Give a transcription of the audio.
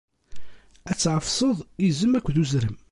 Ad tɛefseḍ izem akked uzrem.